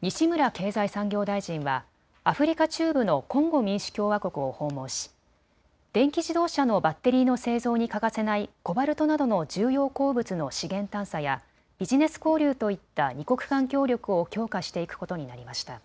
西村経済産業大臣はアフリカ中部のコンゴ民主共和国を訪問し、電気自動車のバッテリーの製造に欠かせないコバルトなどの重要鉱物の資源探査やビジネス交流といった２国間協力を強化していくことになりました。